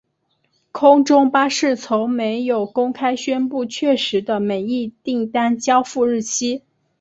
空中巴士从没有公开宣布确实的每一订单交付日期。